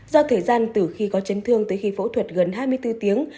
do thời gian từ khi có chấn thương tới khi phẫu thuật gần hai mươi bốn tiếng